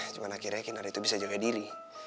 cuma akhirnya kinar itu bisa jaga diri